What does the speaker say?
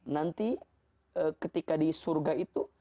nanti ketika di surga itu